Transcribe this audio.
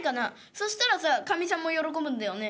そしたらさかみさんも喜ぶんだよね。